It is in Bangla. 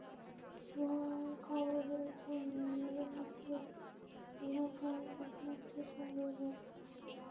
আবহাওয়ার খবরের জন্য নদীমাতৃক এলাকার একমাত্র সম্বল রেডিও।